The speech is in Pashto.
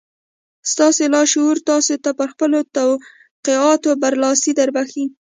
ستاسې لاشعور تاسې ته پر خپلو توقعاتو برلاسي دربښي.